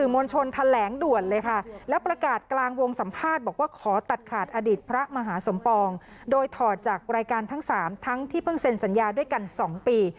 มาหาสมปองโดยถอดจากรายการทั้งสามทั้งที่เพิ่งเซ็นสัญญาด้วยกันสองปี